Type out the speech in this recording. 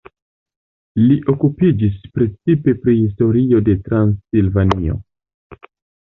Li priokupiĝis precipe pri historio de Transilvanio.